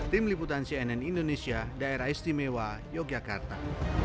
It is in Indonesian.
tim liputan cnn indonesia daerah istimewa yogyakarta